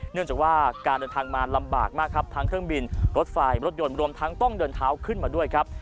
เนื่องจากว่าการเดินทางมาลำบากมากครับทั้งเครื่องบินรถไฟรถยนต์รวมทั้งต้องเดินเท้าขึ้นมาด้วยครับ